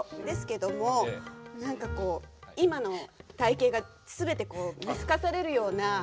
ですけども何かこう今の体形がすべて見透かされるような。